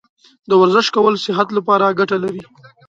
د ورزش کول صحت لپاره ګټه لري.